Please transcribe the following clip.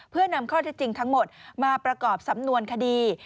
เพื่อนำข้อที่จริงทั้งหมดมาประกอบสำนวนคดี